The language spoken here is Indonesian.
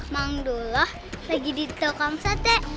mang dula lagi di toko angsa teh